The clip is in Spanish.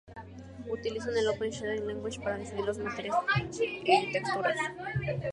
Utiliza el Open Shading Language para definir los materiales y las texturas.